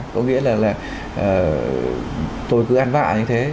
có nghĩa là tôi cứ ăn vạ như thế